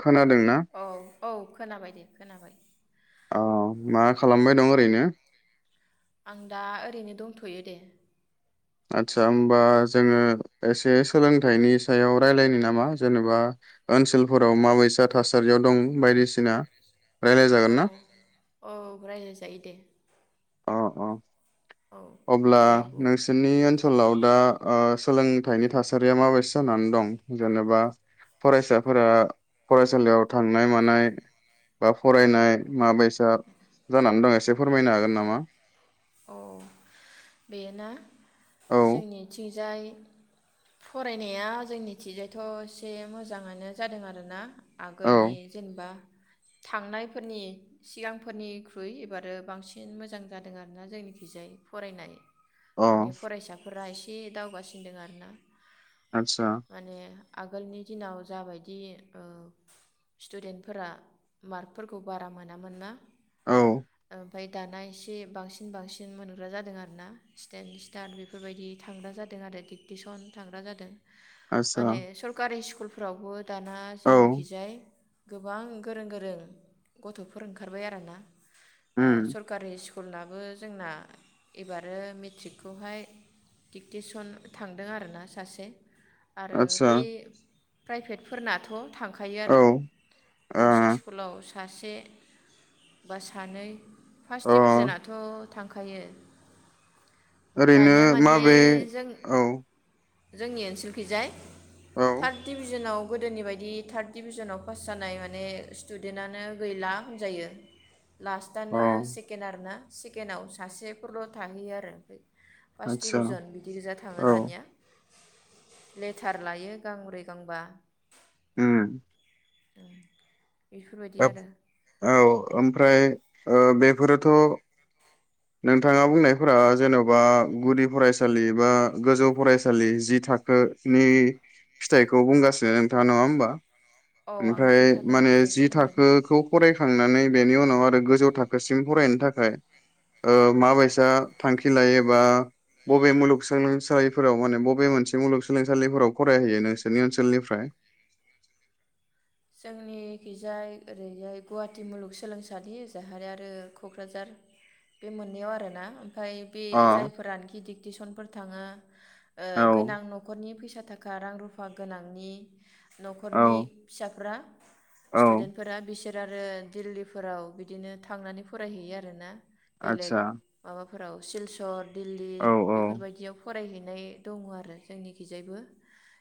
खोनादोंना औ औ खोनाबायदे। खोनाबाय। अ मा खालामबाय दं ओरैनो आं दा ओरैनो दंथ'यो दे। आदसा होमबा जोङो एसे सोलोंथाइनि सायाव रायलायनो नामा जेनेबा ओनसोलफोराव माबैसा थासारियाव दं बायदिसिना औ रायलायजागोन ना औ रायलायजायो दे। अ अ औ अब्ला दे बुं नोंसोरनि ओनसोलाव दा ओ सोलोंथाइनि थासारिया माबायदि जानानै दं जेनेबा फरायसाफोरा फरायसालियाव थांनाय मानाय बा फरायनाय माबायसा जानानै दं एसे फोरमायनो हागोन नामा औ बेना औ जोंनिथि जाय फरायनाया जोंनिथिजायथ' एसे मोजाङानो जादों आरोना आगोलनि औ जेनेबा थांनायफोरनि सिगांफोरनिख्रुइ एबारो बांसिन मोजां जादों आरो मानोना जोंनि खैजायै फरायनाय अ माने फरायसाफोरा एसे एसे दावगासिनदों आरो ना आतसा आगोलनि दिनाव जाबायदि ओ स्टुडेन्टफोरा मार्कफोरखौ बारा मोनामोन ना औ ओ ओमफाय दाना एसे बांसिन बांसिन मोनग्रा जादों आरो ना स्टेेन स्टार बेफोरबायदि थांग्रा जादों आरो दिक्टिसन थांग्रा जादों आदसा माने सकारि सिकुल फ्रावबो दाना औ जोंनिखिजाय गोबां गोरों गोरों गथ'फोर ओंखारबाय आरोना ओ उम सरकारि सि स्कुलनाबो जोंना एबारो मेट्रिकखौहाय डिकटिसन थांदों आरोना सासे आरो आदसा बे प्राइभेटफोरनाथ' थां खायो औ आरो आ गंसे स्कुलाव सासे बा सानै फार्स्ट अ डिभिजनाथ' थांखायो ओरैनो दानिया माने माबे जों औ जोंनि ओनसोलखिजाय औ थार्ड डिभिजनाव गोदोनि बायदि थार्द डभिजनाव पास जानाय माने स्टुदेन्टनो गैला होनजायो लास्ट अ आनो सेकेणड आरो ना केनाव सासेफोरल' थाहैयो आरो ओमफ्राय फार्स्ट आदसा डिभिजन बिदि गोजा थाङो औ दानिया लेटार लायो गांब्रै गांबा हम बेफोरबायदि आरो औ ओमफ्राय ओ बेफोरोथ' नोंथाङा बुंनायफोरा जेन'बा गुदि फरायसालि बा गोजौ फरायसालि जि थाखोनि फिथाइखौ बुंगासिनो नोंथाङा नङा होमबा? औ आं जि ओमफ्राय थाखोनि माने फिथाइखौ जि बुंदों थाखोखौ फरायखांनानै बेनि उनाव आरो गोजौ थाखोसिम फरायनो थाखाय ओ माबायसा थांखि लायोबा बबे मुलुगसोलोंसालिफोराव माने बबे मोनसे मुलुगसोलोंसालिफोराव फरायहैयो नोंसोरनि ओनसोलनिफ्राय जोंनि खिजाय ओरैजाय गुवाहाटि मुलुगसोलोंसालि जाहाय आरो क'क्राझार बे मोननैयाव आरोना। ओमफाय बे अ जायफोरानखि दि टिसनफोर थाङो। ओ औ गोनां न'खरनि फैस सा थाखा रां रुफा गोनांनि औ न'खरनि फ्रा औ स्टुदेन्टफोरा बिसो आरो दिल्लीफोराव बिदिनो थांनानै फरायहैयो आरोना। बेलेग आतसा माबा फोराव सिलसर दिल्ली औ बेफोरबायदियाव फरायहैनाय दङ आरो जोंनिखिजायबो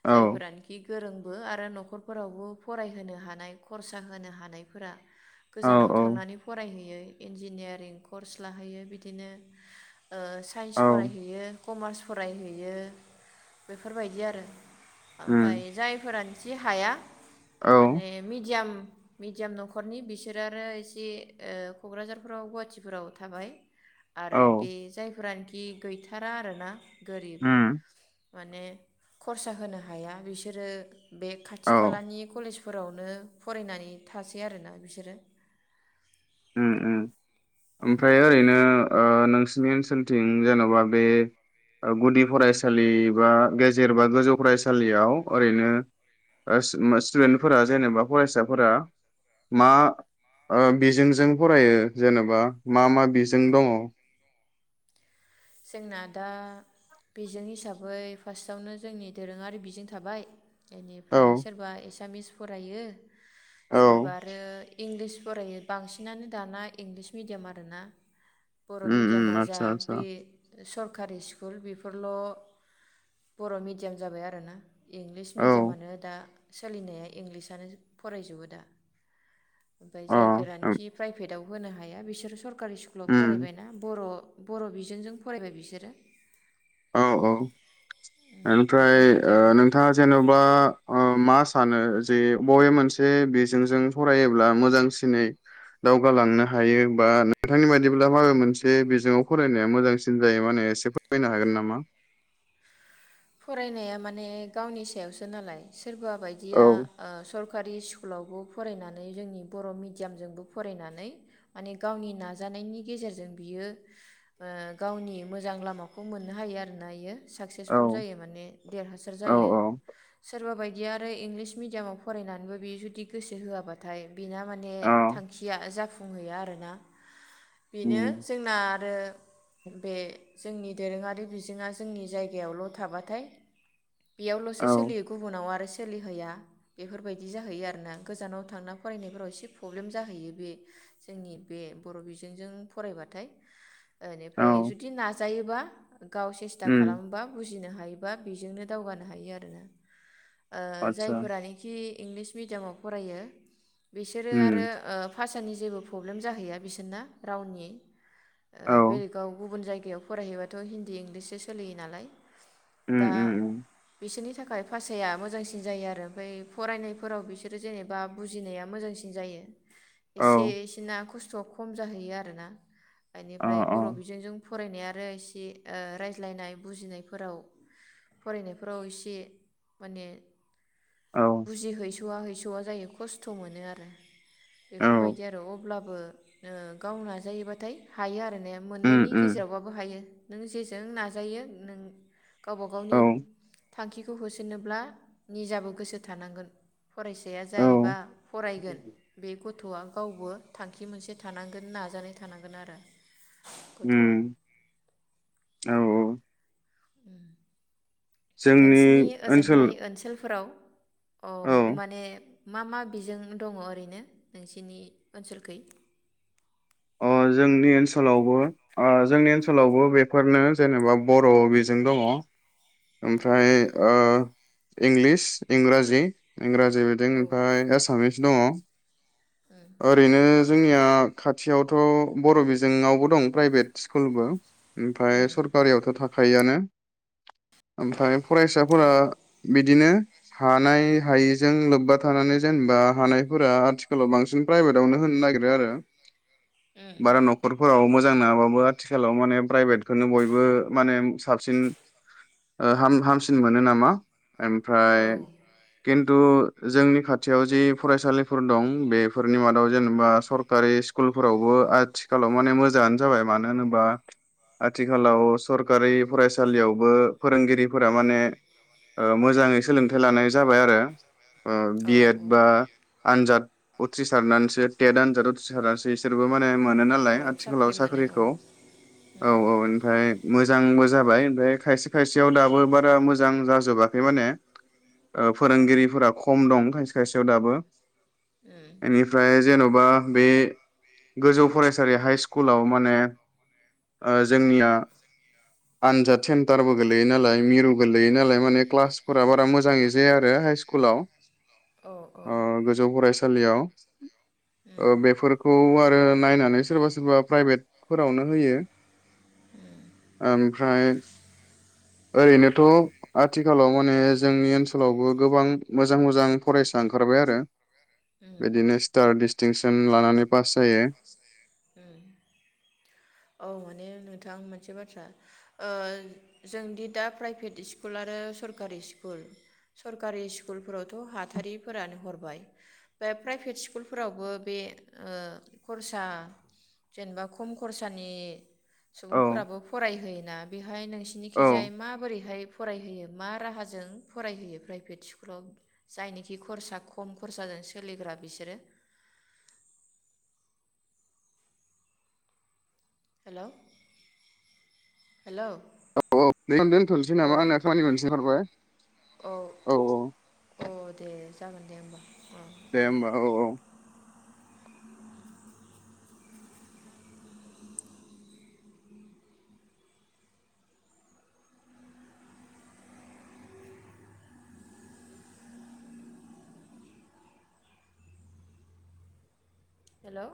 औ जायफोरानोखि गोरोंबो आरो न'खरफोरावब फरायहोनो हानाय खरसा होनो हानायफोरा औ गोजानाव औ थांनानै फरायहैयो इन्जिनियारिं कर्स लाहैयो बिदिनो ओ साइन्स औ फरायहैयो। कमार्स फरायहैयो बेफोरबायदि आरो ओमफाय उम जायफोरा सि हाया औ माने मिडियाम मिडियाम न'खरनि बिसोर आरो ओ एसे क'क्राझारफोराव गुवाहाटिफोराव थाबाय। आरो औ बे जाय फोरानिखि गैथारा आरोना गोरिब उम माने खरसा होनो हाया बिसोरो बे खाथि औ खालानि कलेज फोरावनो फरायनानै थासै आरोना बिसोरो ओम ओम ओमफ्राय ओरैनो ओ नोंसनि ओनसोलथिं जेन'बा बे गुदि फरायसालि बा गेजेर बा गोजौ फरायसालियाव ओरैनो स्टुडेन्टफोरा जेनेबा फरायसाफोरा मा बिजों जों फरायो जेनेबा मा मा बिजों दङ जोंना दा बिजों हिसाबै फार्स्टआवनो जोंनि दोरोङारि बिजों थाबाय औ बेनिफ्राय सोरबा एसामिस फरायो औ सोरबा आरो इंलिस फरायो बांसिनानो दाना इंलिस मिडियाम आरोना बर' उम उम मिडियामा जा आतसा आतसा बै सरकारि स्कुल बेफोरल' बर' मिडियाम जाबाय आरोना इंलिस औ मिडियामानो दा सोलिनाया इंलिसानो फरायजोबो दा ओमफ्राय अ उम जायफोरानोखि प्राइभेटाव होनो हाया बिसोर सर कारि स्कुलाव उम फरायबायना बर' बर' बिजोंजों फरायबाय बिसोरो औ औ ओमफ्राय बेफोरबायदि ओ आरो नोंथाङा जेनेबा मा सानो जे बबे मोनसे बिजोंजों फरायोब्ला मोजांसिनै दावगालांनो हायो बा नोंथांनि बायदिब्ला बबे मोनसे बिजोङाव फरायनाया मोजांसिन जायो माने एसे फोरमायनो हागोन नामा मा फरायनाया माने गावनि सायावसो नालाय सोरबा बायदिया औ ओ सर सरकारि स्कुलावबो फरायनानै जोंनि बर' मिडियामजोंबो फरायनानै माने गावनि नाजानायनि गेजेरजों बियो ओ गावनि मोजां लामाखौ मोननो हायो आरोना बियो साख [unintelligible] औ जायो माने देरहासाद औ जायो सोरबा बाय बिदि आरो इंलिस मिडियामाव फरायनानैबो बियो जुदि गोसो होआबाथाय बेना माने औ थांखिया जाफुं फुंहैया आरोना बेनो उम जोंना आरो बे जोंनि दोरोङारि बिजोङा जोंनि जायगायावल' थाबाथाय बेयावल'सो औ सोलियो गुबुनाव आरो सोलिहैया बेफोरबायदि जाहैयो आरोना गोजानाव थांना फरायनायफोराव एसे प्रब्लेम जाहैयो बे जोंनि बे बर' बिजोंजों फरायबाथाय बेनिफ्राय औ जुदि नाजा जायोबा गाव सेस्था उम खालामोबा बुजिनो हायोबा बेजोंनो दावगानो हायो आरोना ओ आतसा जायफोरानोखि इंलिस मिडियामाव फरायो बिसोरो उम आरो ओ फार्स्ट फिसानि जेबो प्रब्लेम जाहैया बिसोरना रावनि ओ औ बेलेगाव गुबुन जायगा जायगायाव फरायहयोबाथ' हिनदी इंग्लिश सो सोलियो नालाय उम दा उम उम बिसोरनि थाखाय थाखाय भाासाया मोजांसिन जायो आरो ओमफ्राय फरायनायफोराव बिसोरो जेनेबा बुजिनाया मोजांसिन जायो औ एसे इसेना खस्थ' खस्थ'आ खम जाहैयो आरोना अ बेनिफ्राय बर' बिजोंजों फरायनाय आरो एसे ओ रायज्लायनाय बुजिनाय फोराव फरायनायफोराव एसे माने औ बुजि हैस स'वा हैस'आ जायो खस्थ' मोनो आरो औ बेफोरबायदि आरो अब्लाबो ओ गाव नाजायोबाथाय हायो आरो माने उम मोननैनि उम गेजेरावबाबो हायो नों जेजों नाजायो नों गावबा औ गावनि थांखिखौ होसोनोब्ला निजाबो गोसो थानांगोन फरायसाया औ जायबा फरायगोन बेखौ थ'आ गावबो थांखि मोनसे थानांगोन नाजानाय थानांगोन आरो गथ'आ उम औ औ उम जोंनि नोंसिनि ओनसोल ओजोंहाय ओनसोलफोराव औ माने मा मा बिजों दङ ओरैनो नोंसिनि ओनसोलखै अ जोंनि ओनसोलावबो ओ जोंनि ओनसोलावबो बेफोरनो जेनेबा बर' बिजों दङ ओमफ्राय ओ इंलिस इंराजि इंराजि बिदिं औ ओमफाय एसामिस दङ ओरैनो जोंनिया खा थियावथ' बर' बिजों आवबो दं प्राइभेट स्कुलबो ओमफाय उम सरकारियावथ' थाखायो आनो। ओमफ्राय फरायसाफोरा औ बिदिनो हानाय हायिजों लोब्बा थानानै जेनेबा हानायफोरा आथिखालाव बांसिन प्राइभेटावनो होनो नागिरो आरो। उम बारा न'खरफोराव मोज जां नङाबाबो आथिखालाव माने प्राइभेटखौनो बयबो माने साबसिन ओ हा-हामसिन मोनो नामा? ओमफ्राय औ खिन्थ थु जोंनि खाथियाव जि फरायसालिफोर दं बेफोरनि मादाव जेनेबा सरकारि स कुलफोरावबो आथिखालाव माने मोजाङानो जाबाय मानो होनोबा आथिखालाव सरखारि फरायसालियावबो फोरोंगिरिफोरा माने ओ मोजाङै सोलोंथाइ लानाय जाबाय आरो। ओ औ बि एड बा आनजाद उथ्रिसारनानैसो टेट आनजाद उथ्रिसारनानैसो इसोरबो मा ने मोनो औ नालाय आथिखालाव साख्रि मोनो औ साख्रिखौ औ उम औ ओमफ्राय मोजांबो जाबाय। ओमफ्राय खायसे खायसेयाव दाबो बारा मोजां जाजोबाखै माने ओ औ फोरोंगिरिफोरा खम दं। साइस खायसेयाव दाबो। उम एनिफ्राय जे न बा बे गोजौ फरायसालि हाइ स्कुलाव माने ओ जोंनिया आनजाद सेन्टारबो गोलैयो नालाय मिरु गोलैयो नालाय माने क्लासफोरा बारा मोजाङै जाया आरो हाइ स्कुलाव औ औ अ गोजौ फरायसा सालियाव उम ओ बेफोर खौ आरो नायनानै सोरबा सोरबा प्राइभेटफोरावनो होयो ओमफ्राय ओरैनोथ' आथिखालाव माने जोंनि ओनसोलावबो गोबां मोजां मोजां फरायसा ओंखारबाय आरो। उम बिदिनो स्टार डिस्टिंसन लानानै जायो। उम औ माने नोंथां मोनसे बाथ्रा ओ जोंदि दा प्राइभेट स्कुल आरो सरकारि स्कुल सरकारि स्कुलफोरावथ' हाथारिफोरानो हरबाय बे प्राइभेट स्कुलफोरावबो बे ओ खरसा जेनेबा खम खरसानि औ सुबुंफोराबो फरायहै ना बि बेहाय औ नोंसिनिखिजाय माबोरैहाय? फरायहोयो मा राहाजों फरायहोयो प्राइभेट स्कुलाव जायनिखि खरसा खम खरसाजों सोलिग्रा बिसोरो हेलौ हेलौ औ औ बेनो दोनथ'नोसै नामा आंना खामानि मोननैसे ओंखारबाय औ औ अ दे जागोन दे होमबा दे ओमबा औ औ हेलौ